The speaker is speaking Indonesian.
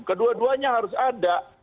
kedua duanya harus ada